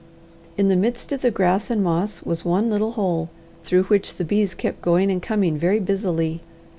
In the midst of the grass and moss was one little hole, through which the bees kept going and coming very busily.